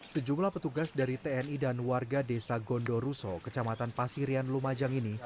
sejumlah petugas dari tni dan warga desa gondoruso kecamatan pasirian lumajang ini